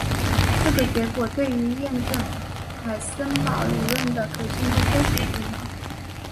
这个结果对于验证海森堡理论的可信度非常重要。